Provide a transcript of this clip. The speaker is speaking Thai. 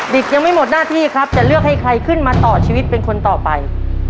ยังไม่หมดหน้าที่ครับจะเลือกให้ใครขึ้นมาต่อชีวิตเป็นคนต่อไป